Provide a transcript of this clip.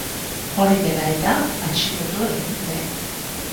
Hori dela eta, atxilotu egin dute.